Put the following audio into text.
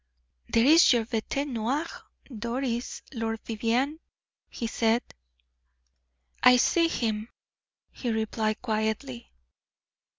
"There is your bete noir, Doris Lord Vivianne," he said. "I see him," she replied, quietly.